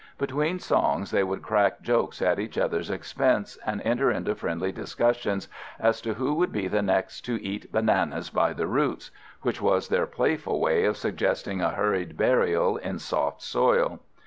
Between songs they would crack jokes at each other's expense, and enter into friendly discussions as to who would be the next to "eat bananas by the roots," which was their playful way of suggesting a hurried burial in soft soil.